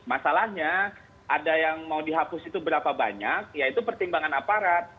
masalahnya ada yang mau dihapus itu berapa banyak yaitu pertimbangan aparat